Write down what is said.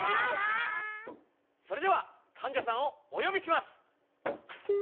それではかんじゃさんをお呼びします。